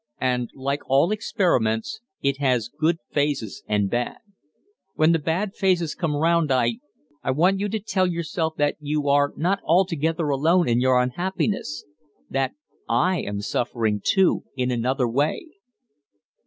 "And, like all experiments, it has good phases and bad. When the bad phases come round I I want you to tell yourself that you are not altogether alone in your unhappiness that I am suffering too in another way."